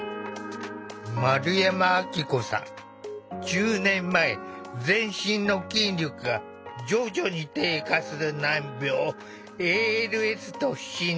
１０年前全身の筋力が徐々に低下する難病ＡＬＳと診断された。